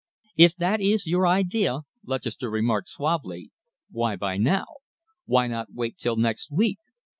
"If that is your idea," Lutchester remarked suavely, "why buy now? Why not wait till next week?